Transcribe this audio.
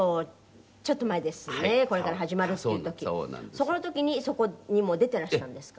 そこの時にそこにもう出ていらしたんですか？